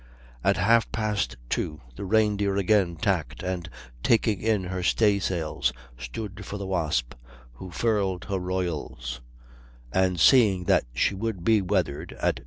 At half past two the Reindeer again tacked, and, taking in her stay sails, stood for the Wasp, who furled her royals; and, seeing that she would be weathered, at 2.